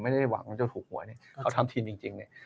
ไม่ได้หวังว่าจะถูกหวยเนี่ยเขาทำทีมจริงเนี่ย